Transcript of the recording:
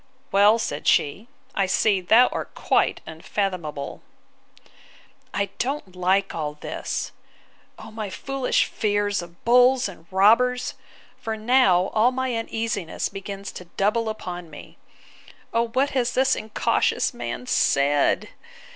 Well, said she, I see thou art quite unfathomable! I don't like all this. O my foolish fears of bulls and robbers!—For now all my uneasiness begins to double upon me. O what has this incautious man said!